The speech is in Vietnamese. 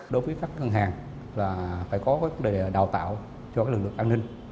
đối với các ngân hàng là phải có cái đề đạo tạo cho cái lực lượng an ninh